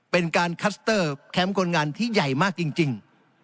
เป็นการคัสเตอร์แคมป์คนงานที่ใหญ่มากจริง